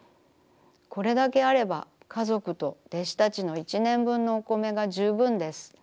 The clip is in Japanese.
これだけあれば家族と弟子たちの一年分のお米が十分です。